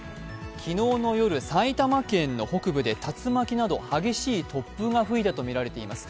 昨日の夜、埼玉県の北部で竜巻など激しい突風が吹いたとみられています。